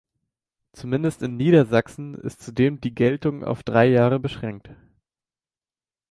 Zumindest in Niedersachsen ist zudem die Geltung auf drei Jahre beschränkt.